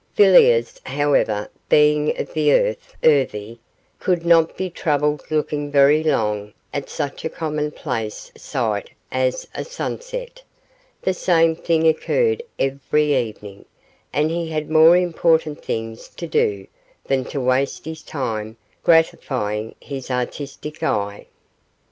Villiers, however, being of the earth, earthy, could not be troubled looking very long at such a common place sight as a sunset; the same thing occurred every evening, and he had more important things to do than to waste his time gratifying his artistic eye.